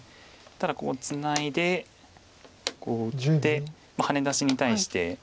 ただツナいでこう打ってハネ出しに対して。